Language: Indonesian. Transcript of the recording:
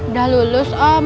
udah lulus om